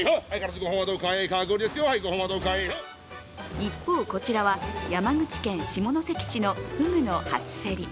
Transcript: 一方、こちらは山口県下関市のふぐの初競り。